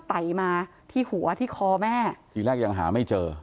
ไต่มาที่หัวที่คอแม่ทีแรกยังหาไม่เจอ